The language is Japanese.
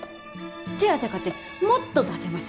手当かてもっと出せます。